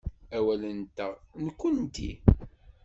Awal-nteɣ, nekkenti.